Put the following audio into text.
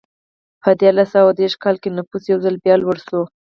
په دیارلس سوه دېرش کال کې نفوس یو ځل بیا لوړ شو.